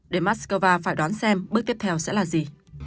để moscow phải đón xem bước tiếp theo sẽ là gì